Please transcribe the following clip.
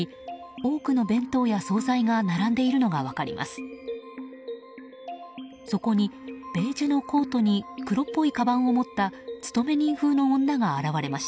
多くの弁当や総菜が並んでいるのが分かります。